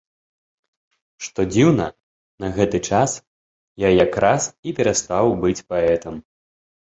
Што дзіўна, на гэты час я якраз і перастаў быць паэтам.